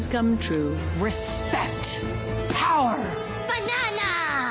バナーナ！